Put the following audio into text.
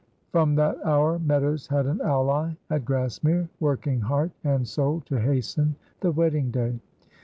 From that hour Meadows had an ally at Grassmere, working heart and soul to hasten the wedding day.